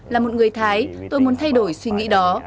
là một người thái tôi muốn thay đổi suy nghĩ đó